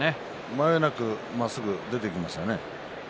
迷いなくまっすぐ出ていきましたね。